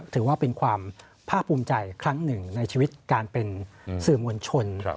ถือว่าเป็นความภาคภูมิใจครั้งหนึ่งในชีวิตการเป็นสื่อมวลชน